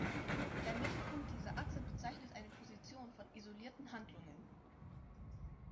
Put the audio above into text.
Der Mittelpunkt dieser Achse bezeichnet eine Position von isolierten Handlungen.